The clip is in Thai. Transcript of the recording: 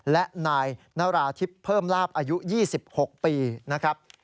และนายนราธิบเพิ่มลาบอายุ๒๖ปีนะครับ